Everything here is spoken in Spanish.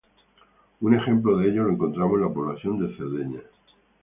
Un ejemplo de ello lo encontramos en la población de Cerdeña.